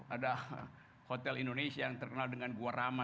ada hotel indonesia yang terkenal dengan gua rama